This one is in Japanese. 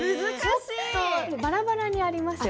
バラバラにありますよ。